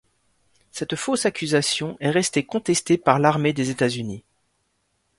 Cette fausse accusation est restée contestée par l'armée des États-Unis.